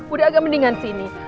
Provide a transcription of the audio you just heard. udah agak mendingan sih ini